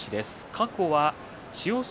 過去は千代翔